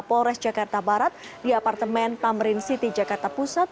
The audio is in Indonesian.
polres jakarta barat di apartemen tamrin city jakarta pusat